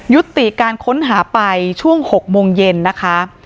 ยุติการค้นหาไปช่วง๖โมงเย็นนะคะ